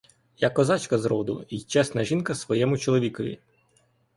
Я козачка з роду й чесна жінка своєму чоловікові!